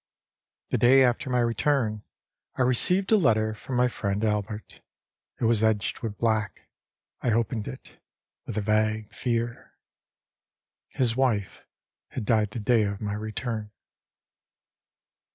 The day after my return I received a letter from my friend Albert. It was edged with black. I opened it with a vague fear. His wife had died the day of my return.